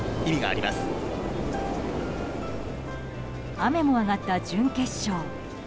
雨も上がった準決勝。